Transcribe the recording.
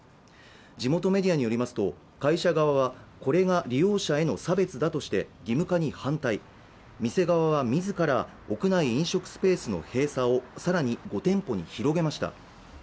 地元メディアによりますと会社側はこれが利用者への差別だとして義務化に反対店側は自ら屋内飲食スペースの閉鎖を更に５店舗に広げました